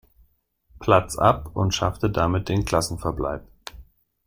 Platz ab und schaffte damit den Klassenverbleib.